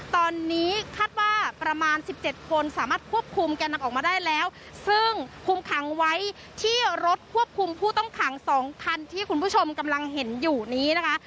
ตอนนี้คาดว่าประมาณสิบเจ็ดคนสามารถควบคุมแก่นำออกมาได้แล้วซึ่งคุมขังไว้ที่รถควบคุมผู้ต้องขังสองคันที่คุณผู้ชมกำลังเห็นอยู่นี้นะคะ